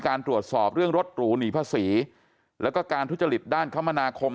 ตรวจสอบเรื่องรถหรูหนีภาษีแล้วก็การทุจริตด้านคมนาคม